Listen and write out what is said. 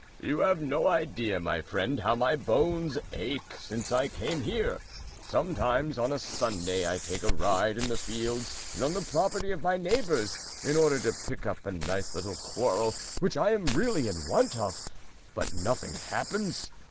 "You have no idea, my friend, how my bones ache since I came here. Sometimes on a Sunday, I take a ride in the fields and on the property of my neighbours, in order to pick up a nice little quarrel, which I am really in want of, but nothing happens.